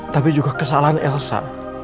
tapi juga kesalahan elsa